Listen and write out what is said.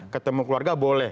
ketemu keluarga boleh